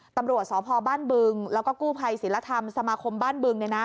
ตำรวจสพบ้านบึงแล้วก็กู้ภัยศิลธรรมสมาคมบ้านบึง